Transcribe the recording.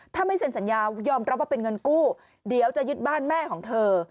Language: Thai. ถ้าไม่เซ็นสัญญายอมรับว่าเป็นเงินกู้เดี๋ยวจะยึดบ้านแม่ของเธอ